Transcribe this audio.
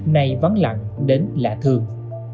này vẫn lặn đến lạ thường